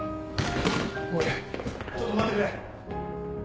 おいちょっと待ってくれ！